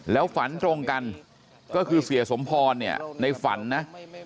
แล้วฝันตรงกันก็คือเสียสมพรเนี่ยในฝันนะ